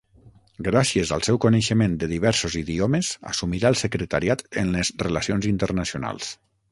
Gràcies al seu coneixement de diversos idiomes, assumirà el Secretariat en les Relacions Internacionals.